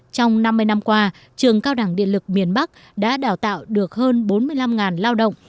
trong năm mươi năm qua trường cao đẳng điện lực miền bắc đã đào tạo được hơn bốn mươi năm lao động